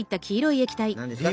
何ですか？